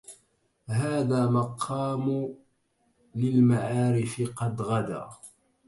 هذا مقام للمعارف قد غدا